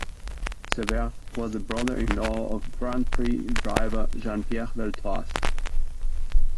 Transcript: Cevert was the brother-in-law of Grand Prix driver Jean-Pierre Beltoise.